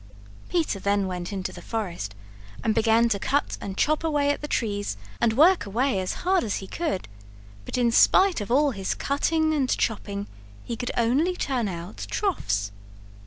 Peter then went into the forest and began to cut and chop away at the trees and work away as hard as he could, but in spite of all his cutting and chopping he could only turn out troughs.